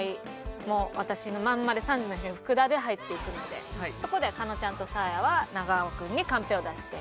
もう私のまんまで３時のヒロイン福田で入っていくのでそこで加納ちゃんとサーヤは長尾君にカンペを出して。